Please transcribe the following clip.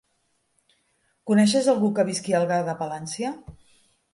Coneixes algú que visqui a Algar de Palància?